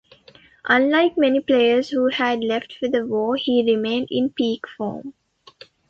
Unlike many players who had left for the war, he remained in peak form.